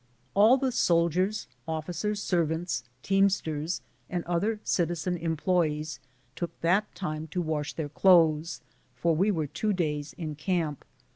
All the soldiers, officers' servants, teamsters, and other citizen employes took that time to wash their clothes, for we were two days in camp.